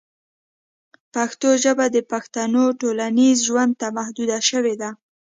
پښتو ژبه د پښتنو ټولنیز ژوند ته محدوده شوې ده.